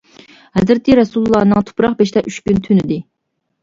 ھەزرىتى رەسۇلىللانىڭ تۇپراق بېشىدا ئۈچ كۈن تۈنىدى.